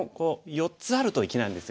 ４つあると生きなんですよね。